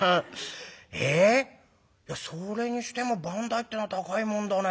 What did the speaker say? えそれにしても番台ってのは高いもんだね。